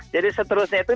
jadi seterusnya itu